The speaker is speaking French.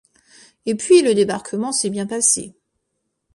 Et puis le débarquement s’est bien passé.